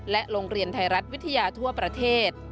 โรงเรียนไทยรัฐวิทยาทั่วประเทศ